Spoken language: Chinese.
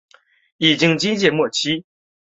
已经接近末期